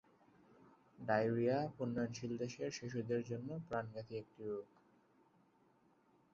Diarrhoea উন্নয়নশীল দেশের শিশুদের জন্য প্রাণঘাতী একটি রোগ।